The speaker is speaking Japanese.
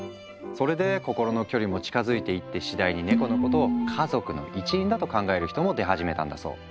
それで心の距離も近づいていって次第にネコのことを家族の一員だと考える人も出始めたんだそう。